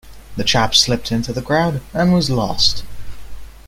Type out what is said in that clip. The chap slipped into the crowd and was lost.